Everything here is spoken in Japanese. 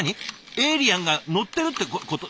エイリアンが乗ってるってこと？